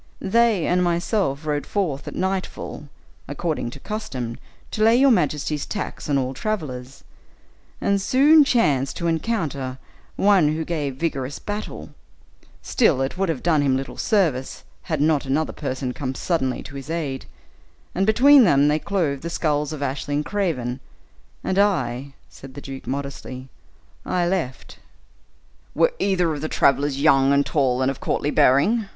They and myself rode forth at nightfall, according to Custom, to lay your majesty's tax on all travelers, and soon chanced to encounter one who gave vigorous battle; still, it would have done him little service, had not another person come suddenly to his aid, and between them they clove the skulls of Ashley and Craven; and I," said the duke, modestly, "I left." "Were either of the travelers young, and tall, and of courtly bearing?"